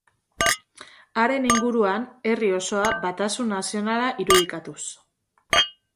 Haren inguruan, herri osoa, batasun nazionala irudikatuz.